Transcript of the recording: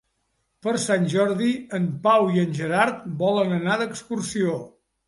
Per Sant Jordi en Pau i en Gerard volen anar d'excursió.